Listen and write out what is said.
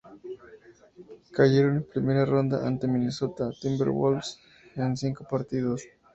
Cayeron en primera ronda ante Minnesota Timberwolves en cinco partidos.